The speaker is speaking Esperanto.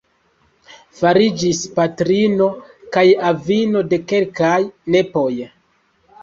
Fariĝis patrino kaj avino de kelkaj nepoj.